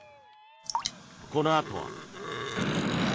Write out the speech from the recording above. このあとは。